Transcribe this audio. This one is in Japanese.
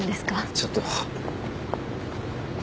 ちょっと。